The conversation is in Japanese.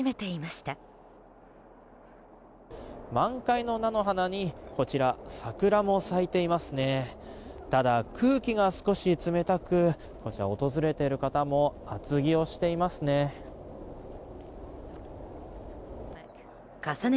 ただ、空気が少し冷たく訪れている方も厚着をしていますね。